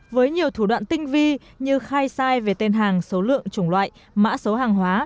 với nhiều thủ đoạn tinh vi như khai sai về tên hàng số lượng chủng loại mã số hàng hóa